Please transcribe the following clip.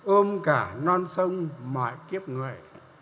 ôm cả non sông mọi kiếp người